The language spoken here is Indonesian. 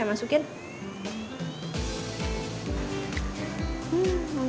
kita masukkan tempenya